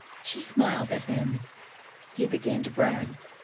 She smiled at him. He began to brag.